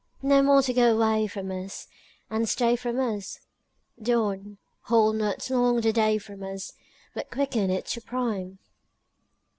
No more to go away from us And stay from us?— Dawn, hold not long the day from us, But quicken it to prime!